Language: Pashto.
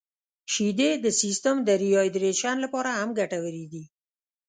• شیدې د سیستم د ریهایدریشن لپاره هم ګټورې دي.